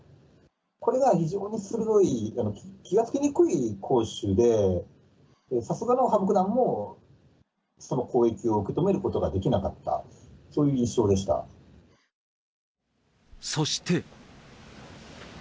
これが非常に鋭い、気が付きにくい好手で、さすがの羽生九段も、その攻撃を受け止めることができなかった、そして。